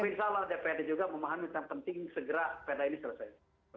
insya allah dprd juga memahami tentang penting segera perda ini selesai